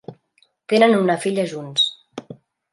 Tenen una filla junts.